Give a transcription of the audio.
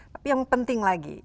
tapi yang penting lagi